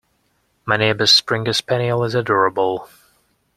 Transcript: My neighbour’s springer spaniel is adorable